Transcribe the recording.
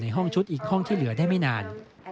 ห้องชุดอีกห้องที่เหลือได้ไม่นาน